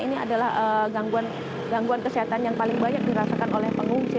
ini adalah gangguan kesehatan yang paling banyak dirasakan oleh pengungsi